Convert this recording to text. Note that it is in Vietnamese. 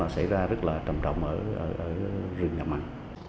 sẽ ra rất là trầm trọng ở rừng ngập mặn